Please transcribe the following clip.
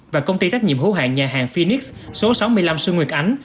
và công ty trách nhiệm hữu hạng nhà hàng phoenix số sáu mươi năm xuân nguyệt ánh